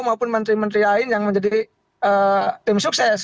maupun menteri menteri lain yang menjadi tim sukses